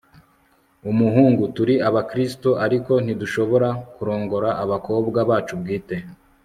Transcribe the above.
umuhungu. turi abakristo, ariko ntidushobora kurongora abakobwa bacu bwite